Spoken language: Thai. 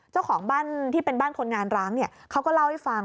เจ้าของบ้านที่เป็นบ้านคนงานร้างเขาก็เล่าให้ฟัง